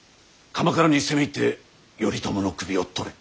鎌倉に攻め入って頼朝の首を取れ。